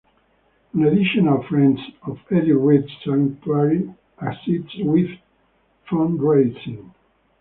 An additional Friends of Edith Read Sanctuary assists with fundraising.